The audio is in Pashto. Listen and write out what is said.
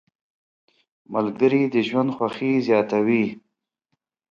ملګري د ژوند خوښي زیاته وي.